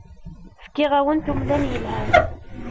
Fkiɣ-awent umlan yelhan.